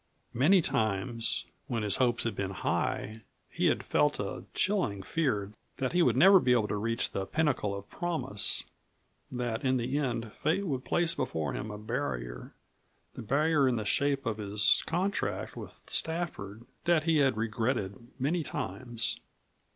Many times, when his hopes had been high, he had felt a chilling fear that he would never be able to reach the pinnacle of promise; that in the end fate would place before him a barrier the barrier in the shape of his contract with Stafford, that he had regretted many times.